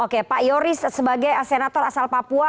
oke pak yoris sebagai asenator asal papua